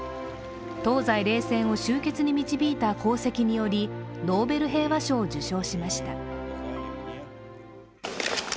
東西冷戦を終結に導いた功績によりノーベル平和賞を受賞しました。